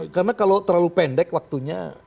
karena kalau terlalu pendek waktunya